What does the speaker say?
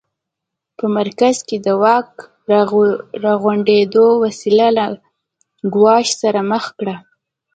په مرکز کې د واک راغونډېدو مسٔله له ګواښ سره مخ کړه.